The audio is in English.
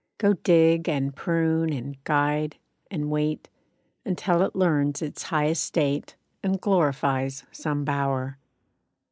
Go dig, and prune, and guide, and wait, Until it learns its high estate, And glorifies some bower.